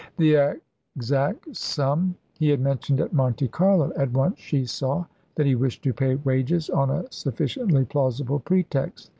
The exact sum he had mentioned at Monte Carlo. At once she saw that he wished to pay wages on a sufficiently plausible pretext.